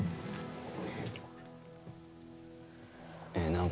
何か。